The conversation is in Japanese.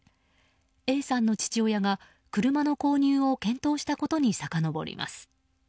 Ａさんの父親が車の購入を検討したことにさかのぼります。